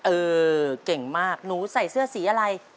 เออเก่งมากหนูใส่เสื้อสีอะไร